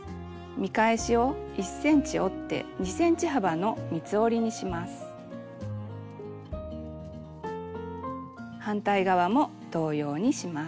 見返しを１ｃｍ折って反対側も同様にします。